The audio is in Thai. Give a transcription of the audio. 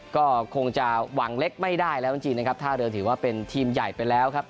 ก็คงจะหวังเล็กไม่ได้แล้วจริงนะครับท่าเรือถือว่าเป็นทีมใหญ่ไปแล้วครับ